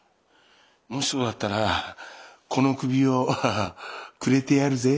もしそうだったらこの首をくれてやるぜ。